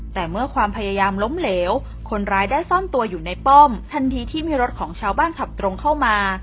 แต่เมื่อความพยายามล้มเหลวคนร้ายได้ซ่อนตัวอยู่ในป้อมทันทีที่มีรถของชาวบ้านขับตรงเข้ามา